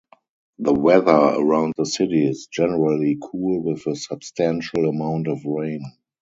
The weather around the city is generally cool with a substantial amount of rain.